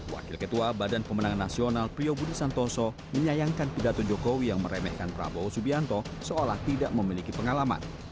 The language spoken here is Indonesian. wakil ketua badan pemenangan nasional prio budi santoso menyayangkan pidato jokowi yang meremehkan prabowo subianto seolah tidak memiliki pengalaman